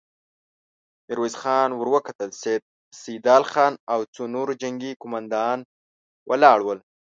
ميرويس خان ور وکتل، سيدال خان او څو نور جنګي قوماندان ولاړ ول.